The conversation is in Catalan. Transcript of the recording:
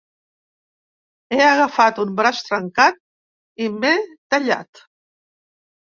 He agafat un braç trencat i m'he tallat.